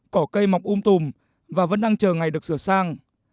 cỏ cây mọc um tùm và vẫn đang chờ ngày được sửa sang